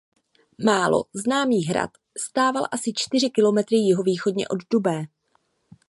Málo známý hrad stával asi čtyři kilometry jihovýchodně od Dubé.